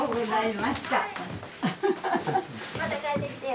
また帰ってきてよ。